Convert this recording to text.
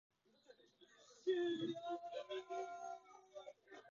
いつもどうりの君でいてね